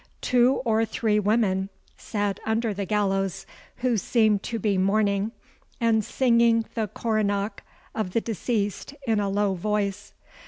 Two or three women sate under the gallows, who seemed to be mourning, and singing the coronach of the deceased in a low voice.